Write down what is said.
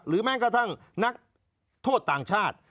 แม้กระทั่งนักโทษต่างชาติ